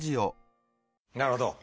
なるほど。